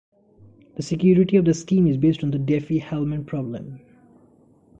The security of the scheme is based on the Diffie-Hellman problem.